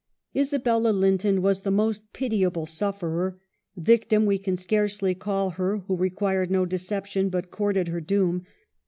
Isabella Linton was the most pitiable sufferer. Victim we can scarcely call her, who required no deception, but courted her doom.